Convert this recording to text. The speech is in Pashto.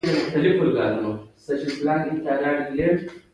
د بادغیس ځنګلونه پسته دي